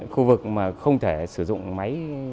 khu vực mà không thể sử dụng máy